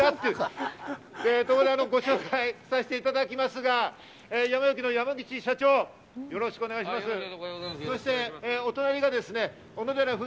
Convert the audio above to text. ご紹介させていただきますが、やま幸の山口社長、よろしくお願いします。